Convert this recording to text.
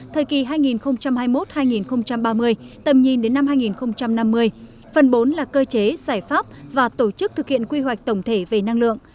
thời kỳ hai nghìn hai mươi một hai nghìn ba mươi tầm nhìn đến năm hai nghìn năm mươi phần bốn là cơ chế giải pháp và tổ chức thực hiện quy hoạch tổng thể về năng lượng